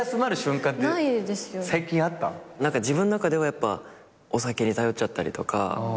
自分の中ではやっぱお酒に頼っちゃったりとか。